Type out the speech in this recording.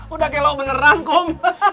udah kayak lo beneran kom